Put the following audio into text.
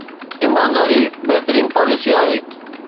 ايمانداري بهترين پاليسي آهي.